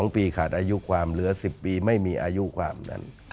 ๒ปีขาดอายุความเหลือ๑๐ปีไม่มีอายุความนั้น